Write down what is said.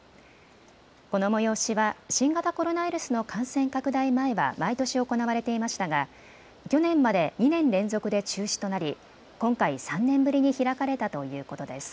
この催しは新型コロナウイルスの感染拡大前は毎年行われてれていましたが去年まで２年連続で中止となり今回、３年ぶりに開かれたということです。